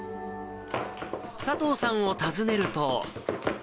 佐藤さんを訪ねると。